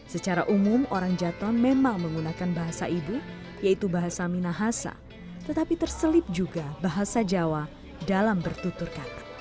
secara umum orang jaton memang menggunakan bahasa ibu yaitu bahasa minahasa tetapi terselip juga bahasa jawa dalam bertutur kata